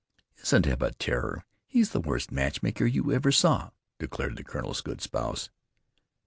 "Isn't Eb a terror? He's the worst matchmatcher you ever saw," declared the colonel's good spouse.